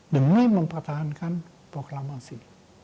demi mempertahankan proklamasi